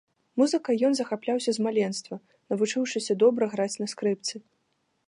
Музыкай ён захапляўся з маленства, навучыўшыся добра граць на скрыпцы.